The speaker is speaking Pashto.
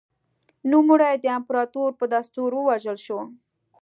نوموړی د امپراتور په دستور ووژل شو